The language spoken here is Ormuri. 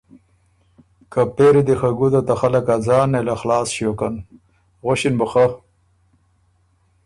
که پېری دی خه ګُده ته خلق اځان نېله خلاص ݭیوکن۔ غؤݭِن بُو خۀ،